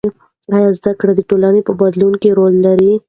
آیا زده کړه د ټولنې په بدلون کې رول لري؟